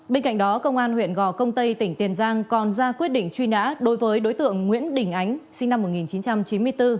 bên cạnh đó công an huyện gò công tây tỉnh tiền giang còn ra quyết định truy nã đối với đối tượng nguyễn đình ánh sinh năm một nghìn chín trăm chín mươi bốn